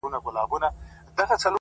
شکر چي هغه يمه شکر دی چي دی نه يمه!